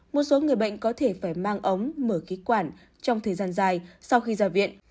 một số người bệnh có thể phải mang ống mở khí quản trong thời gian dài sau khi ra viện